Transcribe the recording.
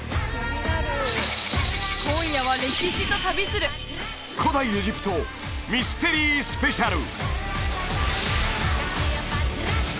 今夜は歴史と旅する古代エジプトミステリースペシャル！